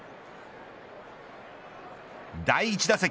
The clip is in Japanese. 第１打席。